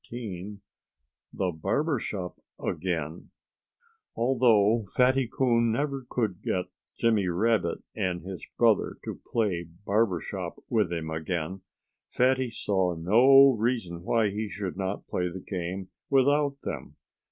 XIV THE BARBER SHOP AGAIN Although Fatty Coon never could get Jimmy Rabbit and his brother to play barber shop with him again, Fatty saw no reason why he should not play the game without them.